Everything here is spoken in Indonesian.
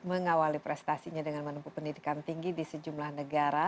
mengawali prestasinya dengan menempuh pendidikan tinggi di sejumlah negara